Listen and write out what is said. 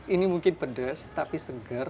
ini mungkin pedes tapi seger